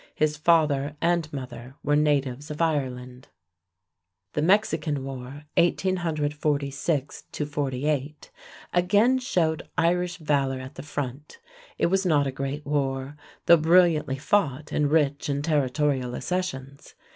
His father and mother were natives of Ireland. The Mexican War (1846 48) again showed Irish valor at the front. It was not a great war, though brilliantly fought and rich in territorial accessions.